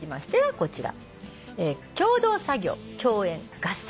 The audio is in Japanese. こちら。